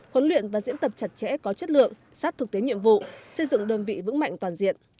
huấn luyện và diễn tập chặt chẽ có chất lượng sát thực tế nhiệm vụ xây dựng đơn vị vững mạnh toàn diện